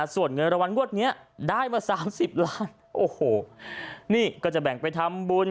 ส่วนเงินรางวัลงวดนี้ได้มา๓๐ล้านโอ้โหนี่ก็จะแบ่งไปทำบุญ